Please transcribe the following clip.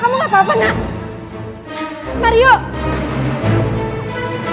aku akan menangis sinta